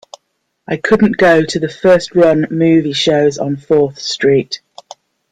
I couldn't go to the first-run movie shows on Fourth Street.